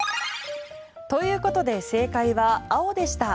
ということで正解は、青でした。